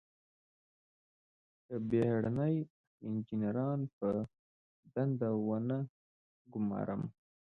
که بهرني انجنیران په دندو ونه ګمارم.